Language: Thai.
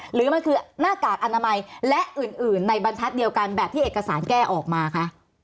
หรือมันคือหน้ากากอนามัยและอื่นในบรรทัศน์เดียวกันแบบที่เอกสารแก้ออกมาคะ